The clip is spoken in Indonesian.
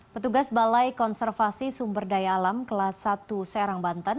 petugas balai konservasi sumber daya alam kelas satu serang banten